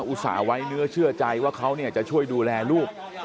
อุตส่าห์ไว้เนื้อเชื่อใจว่าเขาจะช่วยดูแลลูก